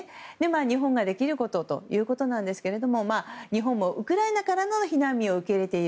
日本ができることということですが日本もウクライナからの避難民を受け入れている。